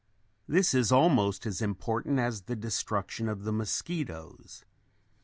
This is almost as important as the destruction of the mosquitoes.